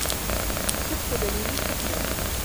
الصدق دليل التقوى